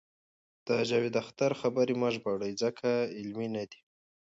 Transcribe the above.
د جاوید اختر خبرې مه ژباړئ ځکه علمي نه دي.